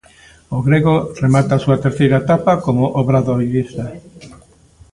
O grego remata a súa terceira etapa como obradoirista.